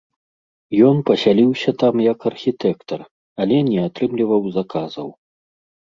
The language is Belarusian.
Ён пасяліўся там як архітэктар, але не атрымліваў заказаў.